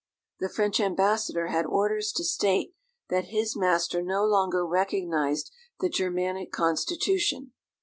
The French ambassador had orders to state that "his master no longer recognised the Germanic constitution."